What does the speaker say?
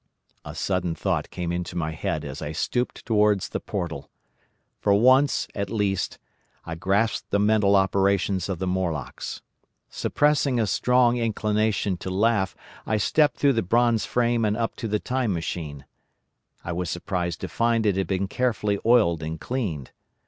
"A sudden thought came into my head as I stooped towards the portal. For once, at least, I grasped the mental operations of the Morlocks. Suppressing a strong inclination to laugh, I stepped through the bronze frame and up to the Time Machine. I was surprised to find it had been carefully oiled and cleaned.